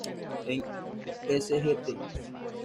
En "Sgt.